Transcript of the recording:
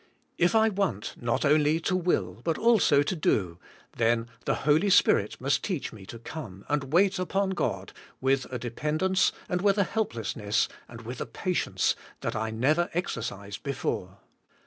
If I want, not only to will, but also to do, then the Holy Spirit must teach me to come and wait upon God with a dependence and with a helplessness and with a patience that I never exercised before.